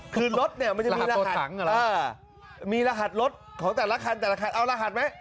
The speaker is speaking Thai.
คือรถมันจะมีรหัสเออมีรหัสรถของแต่ละคันแต่ละคันเอารหัสมั้ย